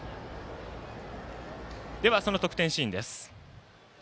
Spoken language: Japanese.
得点シーンです。